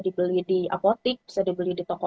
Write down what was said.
dibeli di apotik bisa dibeli di toko